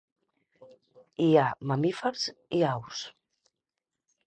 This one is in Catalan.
Hi ha mamífers i aus.